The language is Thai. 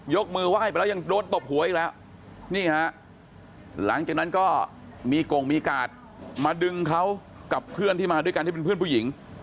มือไหว้ไปแล้วยังโดนตบหัวอีกแล้วนี่ฮะหลังจากนั้นก็มีกงมีกาดมาดึงเขากับเพื่อนที่มาด้วยกันที่เป็นเพื่อนผู้หญิง